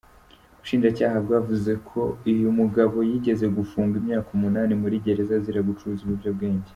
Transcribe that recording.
Ubashinjacyaha bwavuze ko uyu mugabo yigeze gufungwa imyaka umunani muri gereza azira gucuruza ibiyobyabwenge.